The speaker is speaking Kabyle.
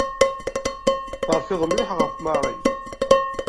Terfiḍ mliḥ ɣef Mary.